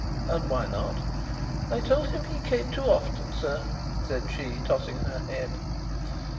"And why not?" "I told him he came too often, sir," said she, tossing her head.